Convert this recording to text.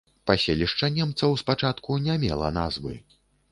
Паселішча немцаў спачатку не мела назвы.